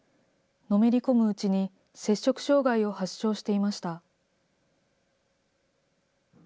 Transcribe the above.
のめり込むうちに、摂食障害を発症していました。